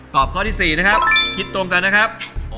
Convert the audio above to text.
ข้อที่๔นะครับคิดตรงกันนะครับ